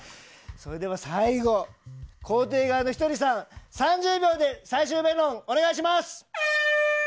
それでは最後肯定側のひとりさん３０秒で最終弁論お願いします。